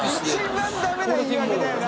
貳ダメな言い訳だよな。